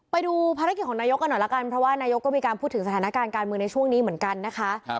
ไปดูภารกิจของนายกกันหน่อยละกันเพราะว่านายกก็มีการพูดถึงสถานการณ์การเมืองในช่วงนี้เหมือนกันนะคะ